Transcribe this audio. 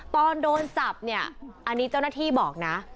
ตอนโดนจับเนี่ยอันนี้เจ้าหน้าที่บอกนะ